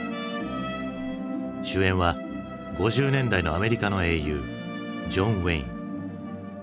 主演は５０年代のアメリカの英雄ジョン・ウェイン。